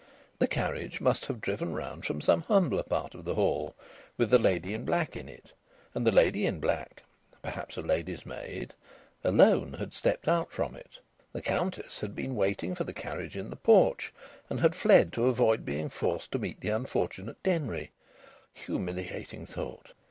The carriage must have driven round from some humbler part of the Hall, with the lady in black in it, and the lady in black perhaps a lady's maid alone had stepped out from it. The Countess had been waiting for the carriage in the porch, and had fled to avoid being forced to meet the unfortunate Denry. (Humiliating thought!)